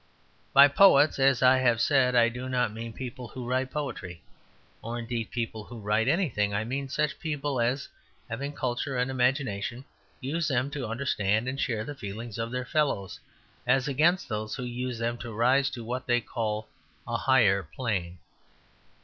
By poets, as I have said, I do not mean people who write poetry, or indeed people who write anything. I mean such people as, having culture and imagination, use them to understand and share the feelings of their fellows; as against those who use them to rise to what they call a higher plane.